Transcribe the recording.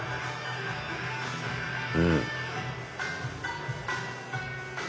うん。